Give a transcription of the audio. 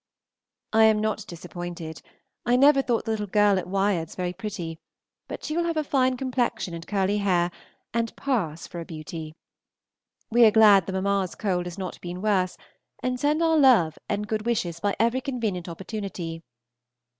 I am not disappointed: I never thought the little girl at Wyards very pretty, but she will have a fine complexion and curly hair, and pass for a beauty. We are glad the mamma's cold has not been worse, and send her our love and good wishes by every convenient opportunity.